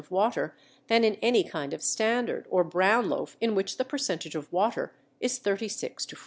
of water than in any kind of Standard or brown loaf in which the percentage of water is 36 to 40.